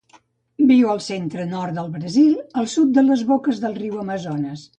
Viu al centre-nord del Brasil, al sud de les boques del riu Amazones.